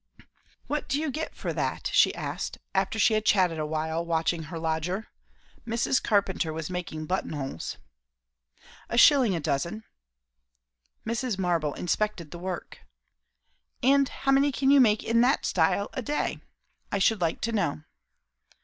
"What do you get for that?" she asked, after she had chatted awhile, watching her lodger. Mrs. Carpenter was making buttonholes. "A shilling a dozen." Mrs. Marble inspected the work. "And how many can you make in that style in a day? I should like to know."